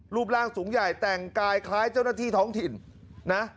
รูปร่างสูงใหญ่แต่งกายคล้ายเจ้าหน้าที่ท้องถิ่นนะ